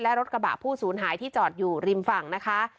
และรถกระบะผู้สูญหายที่จอดอยู่ริมฝั่งนะคะ